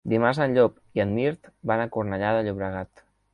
Dimarts en Llop i en Mirt van a Cornellà de Llobregat.